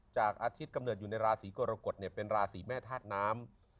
จากอาทิตย์กำเนิดอยู่ในราศีกรกฎเป็นราศีแม่ธาตุน้ำ